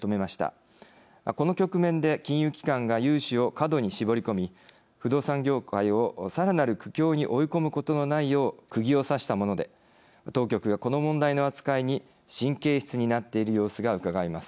この局面で金融機関が融資を過度に絞り込み不動産業界をさらなる苦境に追い込むことのないようくぎを刺したもので当局がこの問題の扱いに神経質になっている様子がうかがえます。